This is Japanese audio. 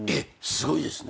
すごいですね。